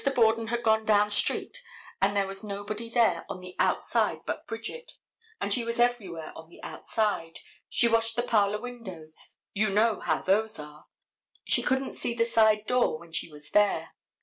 Borden had gone down street and there was nobody there on the outside but Bridget, and she was everywhere on the outside. She washed the parlor windows. You know how those are. She couldn't see the side door when she was there.